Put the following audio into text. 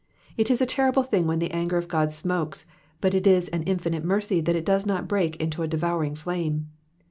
It is a terrible thing when the anger of God smokes, but it is an infinite mercy that it does not break into a devouring flaxne.